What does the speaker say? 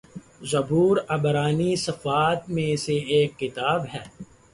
زبور عبرانی صحائف میں سے ایک کتاب ہے